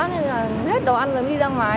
nên là hết đồ ăn rồi đi ra ngoài